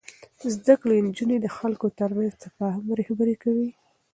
زده کړې نجونې د خلکو ترمنځ تفاهم رهبري کوي.